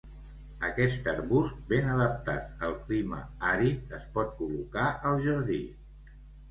Aquest arbust, ben adaptat al clima àrid, es pot col·locar al jardí.